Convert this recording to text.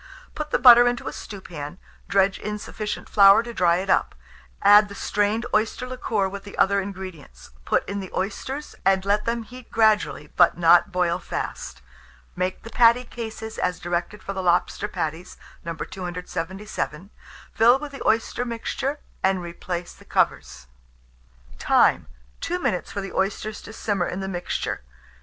Put the butter into a stewpan, dredge in sufficient flour to dry it up; add the strained oyster liquor with the other ingredients; put in the oysters, and let them heat gradually, but not boil fast. Make the patty cases as directed for lobster patties, No. 277: fill with the oyster mixture, and replace the covers. Time. 2 minutes for the oysters to simmer in the mixture.